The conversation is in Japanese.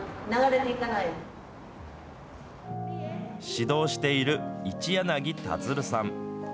指導している一柳多鶴さん。